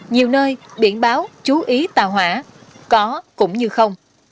nhiều nơi biển báo chú ý tàu hỏa có cũng như không